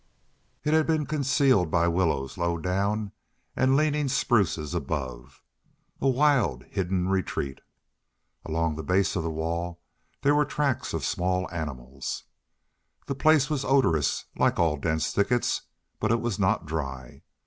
It had been concealed by willows low down and leaning spruces above. A wild, hidden retreat! Along the base of the wall there were tracks of small animals. The place was odorous, like all dense thickets, but it was not dry.